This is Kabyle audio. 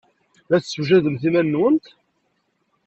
La tessewjademt iman-nwent.